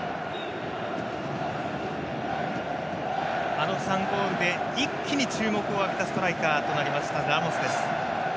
あの３ゴールで一気に注目を浴びたストライカーとなりましたラモスです。